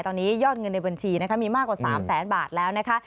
ตอนนี้ยอดเงินในบัญชีนะคะมีมากกว่า๓แสนบาทแล้วนะคะ